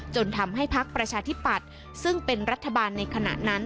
จนทำให้พักประชาธิปัตย์ซึ่งเป็นรัฐบาลในขณะนั้น